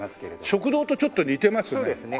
食堂とちょっと似てますね。